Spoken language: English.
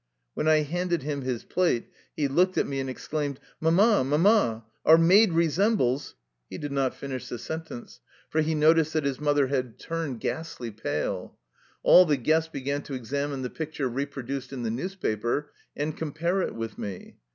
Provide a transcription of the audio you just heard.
When I handed him his plate he looked at me and exclaimed, " Mama ! Mama ! Our maid re sembles —'' He did not finish the sentence, for he noticed that his mother had turned 211 THE LIFE STOEY OF A EUSSIAN EXILE ghastly pale. All the guests began to examine the picture reproduced in the newspaper and compare it with me.